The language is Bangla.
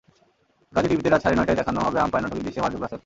গাজী টিভিতে রাত সাড়ে নয়টায় দেখানো হবেআম্পায়ার নাটকের দৃশ্যে মারজুক রাসেল।